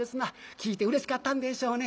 聞いてうれしかったんでしょうね。